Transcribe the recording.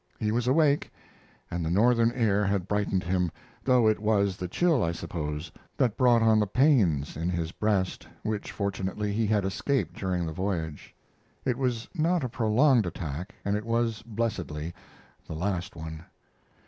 He was awake, and the northern air had brightened him, though it was the chill, I suppose, that brought on the pains in his breast, which, fortunately, he had escaped during the voyage. It was not a prolonged attack, and it was, blessedly, the last one.